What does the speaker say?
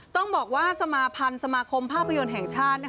ต้องบอกว่าสมาพันธ์สมาคมภาพยนตร์แห่งชาติ